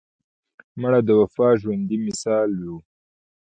مړه د وفا ژوندي مثال وه